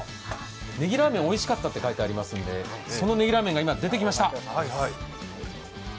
ネギラーメンおいしかったって書いてある、そのネギラーメンが出てきました。